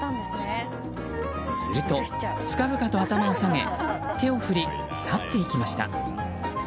すると、深々と頭を下げ手を振り去っていきました。